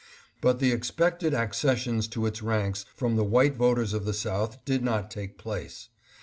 But the expected accessions to its ranks from the white voters of the South did not take place.